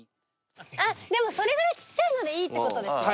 あっでもそれぐらいちっちゃいのでいいって事ですね